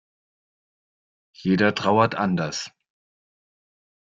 Jeder trauert anders.